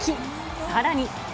さらに。